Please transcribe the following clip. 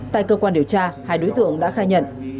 tại cơ quan điều tra hai đối tượng đã khai nhận